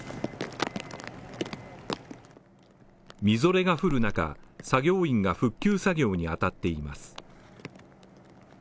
みぞれが降る中、作業員が復旧作業に当たっています。